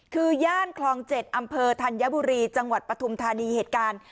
คือย่านคลอง๗อำเภอธัญบุรีจังหวัดปฐุมธานีเหตุการณ์